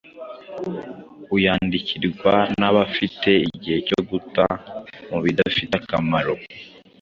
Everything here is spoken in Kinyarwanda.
Uyandikirwa ntaba afite igihe cyo guta mu bidafite akamaro